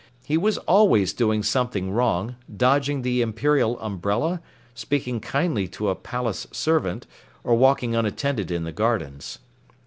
He was always doing something wrong, dodging the Imperial Umbrella, speaking kindly to a palace servant, or walking unattended in the gardens.